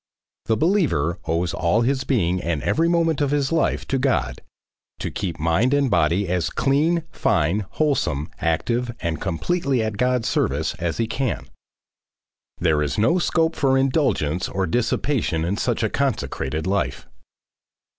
The believer owes all his being and every moment of his life to God, to keep mind and body as clean, fine, wholesome, active and completely at God's service as he can. There is no scope for indulgence or dissipation in such a consecrated life.